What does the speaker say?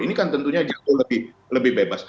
ini kan tentunya jauh lebih bebas